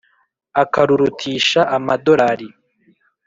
Ukarurutisha amadorari